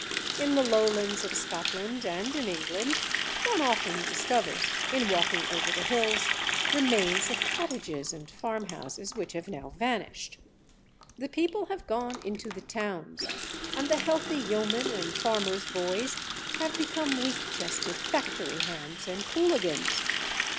In the lowlands of Scotland and in England one often discovers, in walking over the hills, remains of cottages and farmhouses which have now vanished. The people have gone into the towns, and the healthy yeomen and farmers' boys have become weak chested factory hands and hooligans.